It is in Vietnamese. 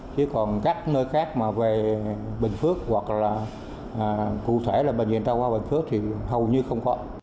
chứ còn các nơi khác về bình phước hoặc là cụ thể là bệnh viện đao khoa bình phước thì hầu như không có